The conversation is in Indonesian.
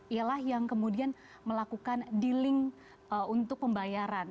ialah yang kemudian melakukan dealing untuk pembayaran